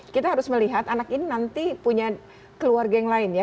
kita harus melihat anak ini nanti punya keluarga yang lain ya